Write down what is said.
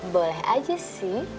boleh aja sih